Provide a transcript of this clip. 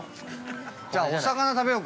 ◆じゃあ、お魚食べようか。